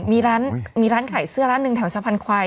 มีร้านขายเสื้อร้านนึงแถวชาวพันค์ควาย